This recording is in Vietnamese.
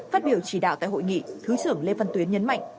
phát biểu chỉ đạo tại hội nghị thứ trưởng lê văn tuyến nhấn mạnh